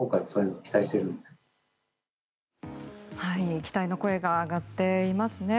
期待の声が上がっていますね。